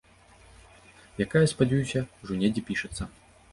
Якая, спадзяюся, ўжо недзе пішацца.